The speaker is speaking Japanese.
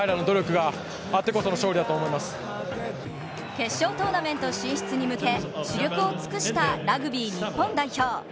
決勝トーナメント進出に向け死力を尽くしたラグビー日本代表。